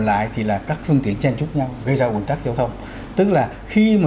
lại thì là các phương tiện trang trúc nhau gây ra ổn tắc giao thông tức là khi mà